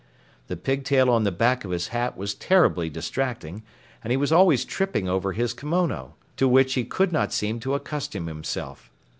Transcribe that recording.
The pigtail on the back of his hat was terribly distracting, and he was always tripping over his kimono, to which he could not seem to accustom himself.